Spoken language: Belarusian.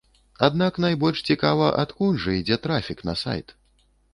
Аднак найбольш цікава, адкуль жа ідзе трафік на сайт.